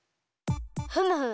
ふむふむ。